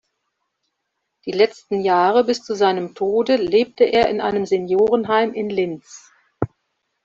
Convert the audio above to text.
Die letzten Jahre bis zu seinem Tode lebte er in einem Seniorenheim in Linz.